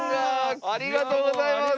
ありがとうございます！